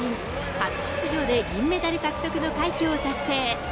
初出場で銀メダル獲得の快挙を達成。